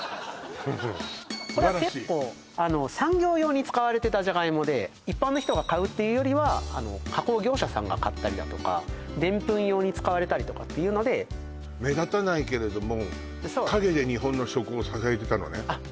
これは結構産業用に使われてたじゃがいもで一般の人が買うっていうよりは加工業者さんが買ったりだとかデンプン用に使われたりとかっていうので目立たないけれどもそうですねあっ